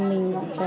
mình có một chút